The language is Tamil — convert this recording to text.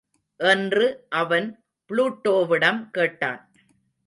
என்று அவன் புளுட்டோவிடம் கேட்டான்.